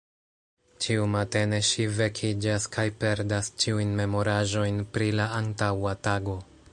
Ĉiu matene ŝi vekiĝas kaj perdas ĉiujn memoraĵojn pri la antaŭa tago.